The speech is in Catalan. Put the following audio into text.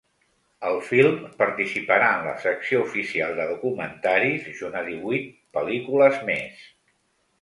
El film participarà en la secció oficial de documentaris junt a divuit pel·lícules més.